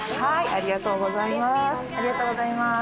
ありがとうございます。